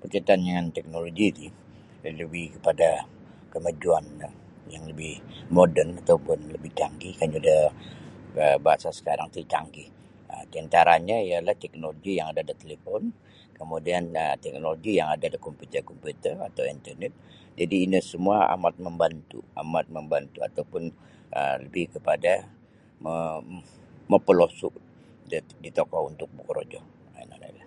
Berkaitan dengan teknoloji ti yang lebih kapada kamajuanlah yang lebih moden atau pun lebih canggih kanyu da um bahasa sakarang ti canggih um diantaranyo ialah teknoloji yang ada da talipon kemudian um teknoloji yang ada da kompiuter-kompiuter atau internet jadi' ino samua amat mambantu' amat mambantu' atau pun um lebih kapada mo mapolosu' di tokou untuk bokorojo um ino nio no.